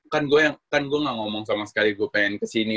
kan gue gak ngomong sama sekali gue pengen kesini